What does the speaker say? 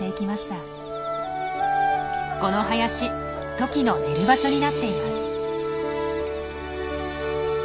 この林トキの寝る場所になっています。